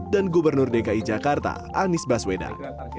dan gubernur dki jakarta anies baswedan